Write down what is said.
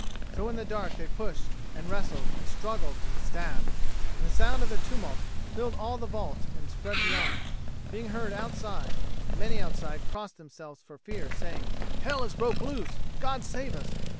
So in the dark they pushed and wrestled and struggled and stabbed, and the sound of their tumult filled all the vault and spread beyond, being heard outside; and many outside crossed themselves for fear, saying, "Hell is broke loose! God save us!"